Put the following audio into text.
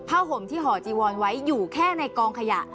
ห่มที่ห่อจีวอนไว้อยู่แค่ในกองขยะ